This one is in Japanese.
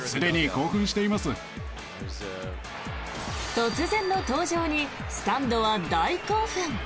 突然の登場にスタンドは大興奮。